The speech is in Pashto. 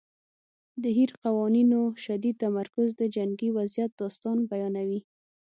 د هیر قوانینو شدید تمرکز د جنګي وضعیت داستان بیانوي.